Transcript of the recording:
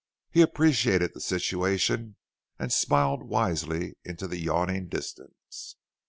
He appreciated the situation and smiled wisely into the yawning distance.